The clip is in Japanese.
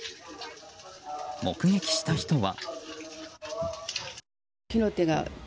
目撃した人は。